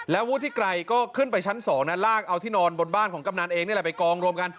แล้ววุฒิไกรก็ขึ้นไปชั้น๒นะลากเอาที่นอนบนบ้านของกำนันเองนี่แหละไปกองรวมกัน